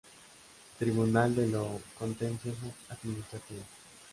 Tribunal de lo Contencioso Administrativo